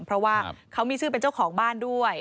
เพราะว่าเขามีชื่อเป็นเจ้าของบ้านด้วย